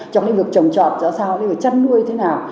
trong lĩnh vực trồng trọt chẳng sao lĩnh vực chăn nuôi thế nào